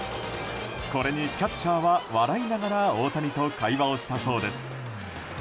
これにキャッチャーは笑いながら大谷と会話をしたそうです。